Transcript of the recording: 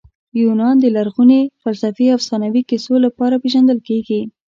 یونان د لرغوني فلسفې او افسانوي کیسو لپاره پېژندل کیږي.